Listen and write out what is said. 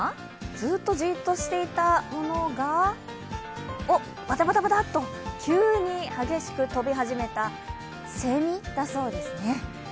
ずっと、じっとしていたものが、お、バタバタバタっと急に激しく飛び始めたせみだそうですね。